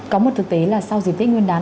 có một thực tế là sau dịp tết nguyên đán